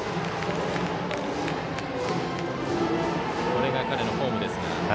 これが彼のフォームですが。